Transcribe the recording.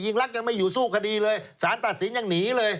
ยิ่งรักยังไม่อยู่สู้คดีเลยสารตัดสินยังหนีเลย